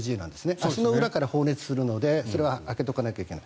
足の裏から放熱するのでそれは開けとかなきゃいけない。